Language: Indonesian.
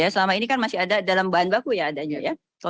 selama ini kan masih ada dalam bahan baku ya adanya ya